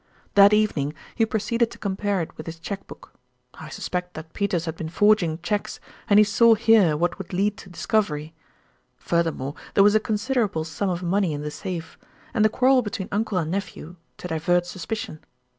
"That evening he proceeded to compare it with his cheque book. I suspect that Peters had been forging cheques and he saw here what would lead to discovery. Furthermore, there was a considerable sum of money in the safe, and the quarrel between uncle and nephew to divert suspicion.